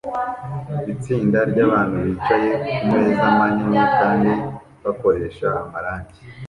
Itsinda ryabantu bicaye kumeza manini kandi bakoresha amarangi